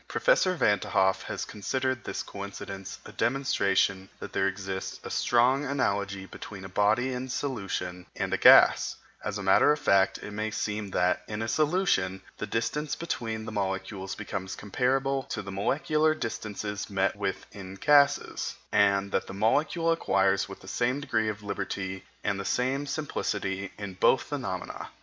Professor Van t'Hoff has considered this coincidence a demonstration that there exists a strong analogy between a body in solution and a gas; as a matter of fact, it may seem that, in a solution, the distance between the molecules becomes comparable to the molecular distances met with in gases, and that the molecule acquires the same degree of liberty and the same simplicity in both phenomena.